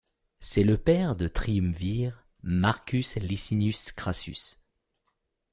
C'est le père du triumvir Marcus Licinius Crassus.